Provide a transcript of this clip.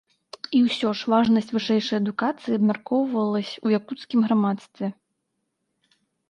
І ўсё ж, важнасць вышэйшай адукацыі абмяркоўвалася ў якуцкім грамадстве.